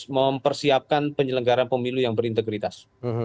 mempersiapkan penyelenggaran pemilu yang berintegritas